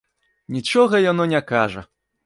Нічога яно не кажа.